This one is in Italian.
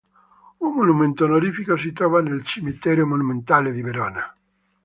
Un monumento onorifico si trova nel cimitero monumentale di Verona.